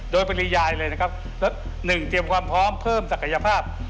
โดยปริยายเลยนะครับแล้วหนึ่งเตรียมความพร้อมเพิ่มศักยภาพ